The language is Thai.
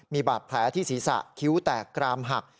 มีบาดแผลที่ศีรษะคิ้วแตกกรามหัก